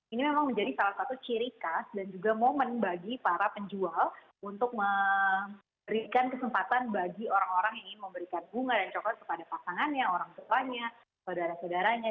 ini memang menjadi salah satu ciri khas dan juga momen bagi para penjual untuk memberikan kesempatan bagi orang orang yang ingin memberikan bunga dan coklat kepada pasangannya orang tuanya saudara saudaranya